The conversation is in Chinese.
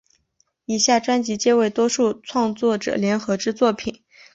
以下专辑皆为多位创作者联合之作品。